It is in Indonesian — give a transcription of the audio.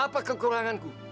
memang apa kekuranganku